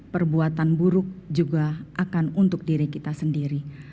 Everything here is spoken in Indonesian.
perbuatan buruk juga akan untuk diri kita sendiri